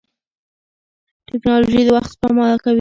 ټیکنالوژي د وخت سپما کوي.